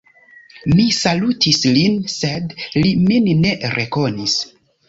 Mi salutis lin, sed li min ne rekonis.